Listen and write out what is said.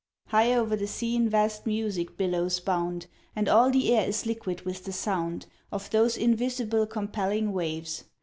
High o'er the scene vast music billows bound, And all the air is liquid with the sound Of those invisible compelling waves.